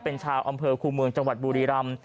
เป็นชาวอำเภอคูเมืองจังหวัดบุรีรำ